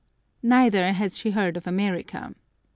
Neither has she heard of America.